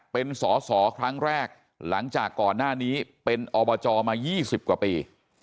เป็นสอสอครั้งแรกหลังจากก่อนหน้านี้เป็นอบจมา๒๐กว่าปี